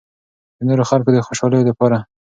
د نورو خلکو د خوشالو د پاره